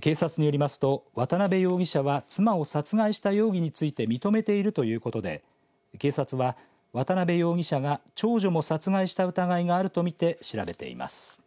警察によりますと渡辺容疑者は妻を殺害した容疑について認めているということで警察は、渡辺容疑者が長女も殺害した疑いがあると見て調べています。